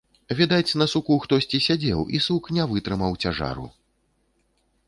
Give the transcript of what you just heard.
Відаць, на суку хтосьці сядзеў, і сук не вытрымаў цяжару.